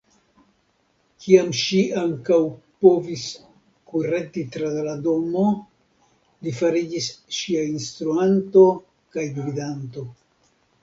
Kiam ŝi ankaŭ povis kureti tra la domo, li fariĝis ŝia instruanto kaj gvidanto.